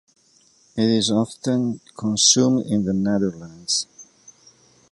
It is often consumed in the Netherlands.